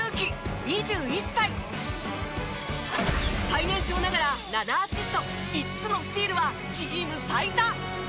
最年少ながら７アシスト５つのスティールはチーム最多！